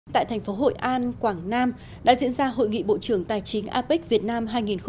tại thành phố hội an quảng nam đã diễn ra hội nghị bộ trưởng tài chính apec việt nam hai nghìn một mươi chín